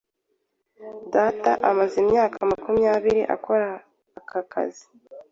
Data amaze imyaka makumyabiri akora aka kazi.